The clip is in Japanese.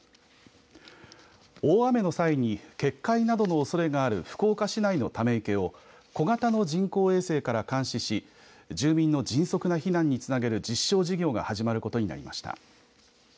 大雨の際に決壊などのおそれがある福岡市内のため池を小型の人工衛星から監視し住民の迅速な避難につなげる実証事業が始まることになりました。